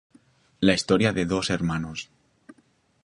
La historia de dos hermanos.